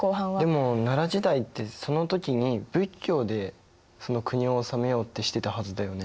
でも奈良時代ってその時に仏教でその国を治めようってしてたはずだよね。